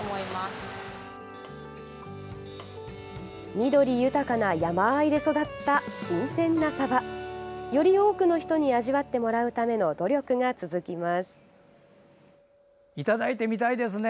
緑豊かな山あいで育った新鮮なサバ。より多くの人に味わってもらうためのいただいてみたいですね。